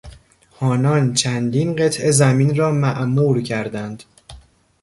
آنان چندین قطعه زمین را معمور کردند.